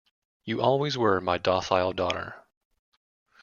You always were my docile daughter.